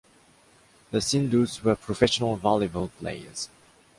The Sindhus were professional volleyball players.